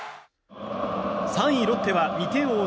３位、ロッテは２点を追う